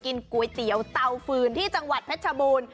กินก๋วยเตี๋ยวเตาฟืนที่จังหวัดเพชรชบูรณ์